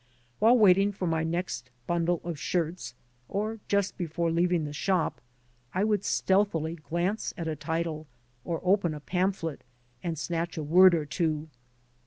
While waiting for my next bundle of shirts, or just before leaving the shop, I would stealthily glance at a title, or open a pamphlet and snatch a word or two.